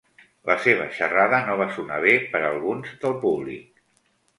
La seva xerrada no va sonar bé per a alguns del públic.